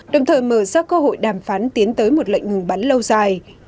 đồng thời mở ra cơ hội đàm phán tiến tới một lệnh ngừng bắn lâu dài